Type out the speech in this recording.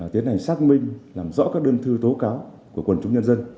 tiến hành xác minh làm rõ các đơn thư tố cáo của quần chúng nhân dân